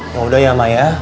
yaudah ya mak ya